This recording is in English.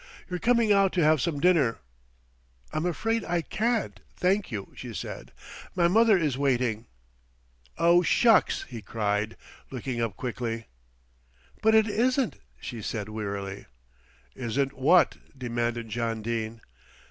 "You're coming out to have some dinner." "I'm afraid I can't, thank you," she said. "My mother is waiting." "Oh shucks!" he cried, looking up quickly. "But it isn't!" she said wearily. "Isn't what?" demanded John Dene.